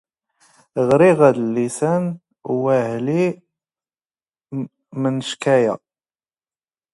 ⵖⵔⵉⵖ ⴰⴷⵍⵉⵙ ⴰⵏⵏ ⵡⴰⵀⵍⵉ ⵎⵏⵛⴽ ⴰⵢⴰ.